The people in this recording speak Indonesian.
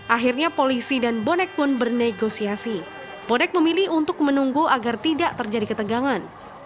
akhirnya polisi dan bonek pun bernegosiasi bonek memilih untuk menunggu agar tidak terjadi ketegangan